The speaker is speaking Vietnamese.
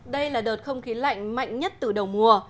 đây là đợt không khí lạnh mạnh nhất từ đầu mùa